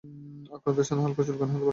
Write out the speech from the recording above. আক্রান্ত স্থানে হালকা চুলকানি হতে পারে।